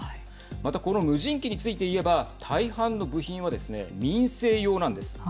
またこの無人機についていえば大半の部品はですね民生用なんです。